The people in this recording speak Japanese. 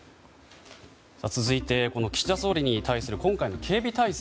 続いて、岸田総理に対する今回の警備態勢。